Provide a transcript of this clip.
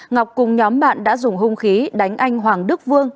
ngọc cùng nhóm bạn đã dùng hung khí đánh anh hoàng đức vương